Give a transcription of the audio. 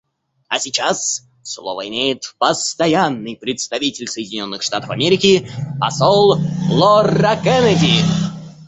А сейчас слово имеет Постоянный представитель Соединенных Штатов Америки посол Лора Кеннеди.